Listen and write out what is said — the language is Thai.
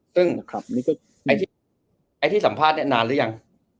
ซึ่งไอ้ที่สัมภาษณ์นี้นานหรือยัง